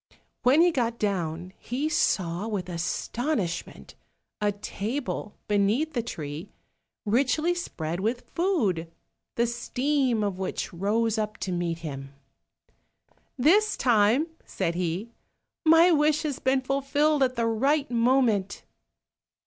When he got down he saw with astonishment a table beneath the tree richly spread with food, the steam of which rose up to meet him. "This time," said he, "my wish has been fulfilled at the right moment."